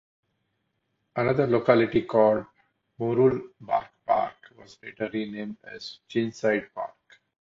Another locality called Mooroolbark Park was later renamed as Chirnside Park.